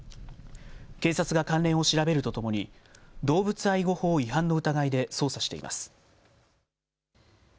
警察が関連を調べるとともに動物愛護法違反の疑いで捜査しています。